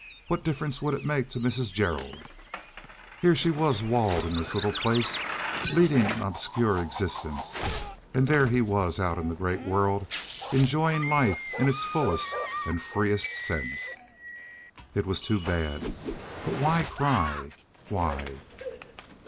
What difference would it make to Mrs. Gerald? Here she was walled in this little place, leading an obscure existence, and there was he out in the great world enjoying life in its fullest and freest sense. It was too bad. But why cry? Why?